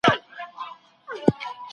زوړ انگريز به بيا را پاڅي انتقام ته